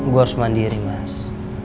gue harus mandiri mas